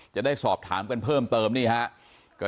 จะได้สอบถามกันเพิ่มเติมนี่ครับ